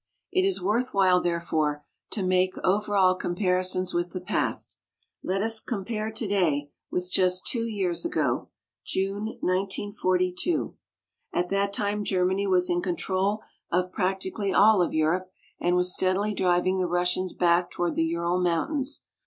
It is worth while, therefore, to make over all comparisons with the past. Let us compare today with just two years ago June, 1942. At that time Germany was in control of practically all of Europe, and was steadily driving the Russians back toward the Ural Mountains.